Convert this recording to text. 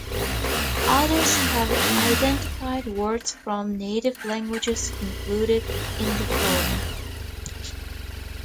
Others have identified words from native languages included in the poem.